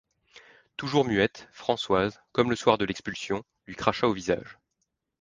Toujours muette, Françoise, comme le soir de l’expulsion, lui cracha au visage.